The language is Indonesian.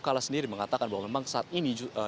kala sendiri mengatakan bahwa memang saat ini